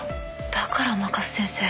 だから甘春先生